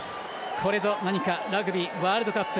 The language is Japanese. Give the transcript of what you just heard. これぞ何かラグビーワールドカップ